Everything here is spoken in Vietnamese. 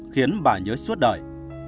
khiến bà nhớ suốt đời